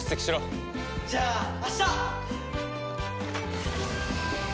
じゃあ明日！